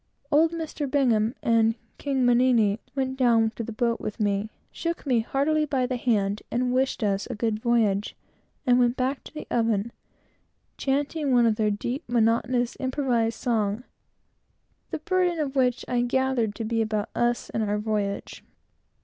Old "Mr. Bingham" and "King Mannini" went down to the boat with me, shook me heartily by the hand, wished us a good voyage, and went back to the oven, chanting one of their deep monotonous songs, the burden of which I gathered to be about us and our voyage.